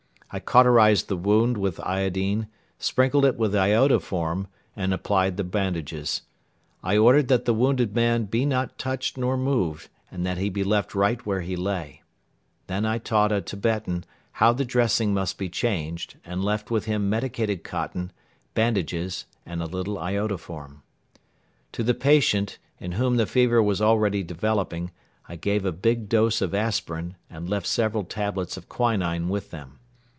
I cauterized the wound with iodine, sprinkled it with iodoform and applied the bandages. I ordered that the wounded man be not touched nor moved and that he be left right where he lay. Then I taught a Tibetan how the dressing must be changed and left with him medicated cotton, bandages and a little iodoform. To the patient, in whom the fever was already developing, I gave a big dose of aspirin and left several tablets of quinine with them.